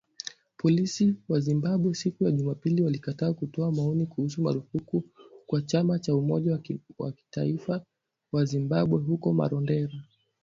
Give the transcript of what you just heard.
Polisi wa Zimbabwe, siku ya Jumapili walikataa kutoa maoni kuhusu marufuku kwa chama cha umoja wa kitaifa wa Zimbabwe huko Marondera.